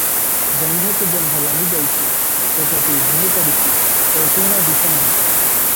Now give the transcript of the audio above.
ଜଙ୍ଘକୁ ଜଙ୍ଘ ଲାଗିଯାଇଛି, ପେଟଟି ଝୁଲି ପଡିଛି, କୌପୀନ ଦିଶେ ନାହିଁ ।